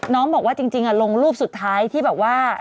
น้องบอกว่าจริงลงรูปสุดท้ายที่แบบว่า